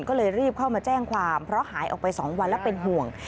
ก็เลยรีบเข้ามาแจ้งความเพราะหายออกไป๒วันแล้วเป็นห่วง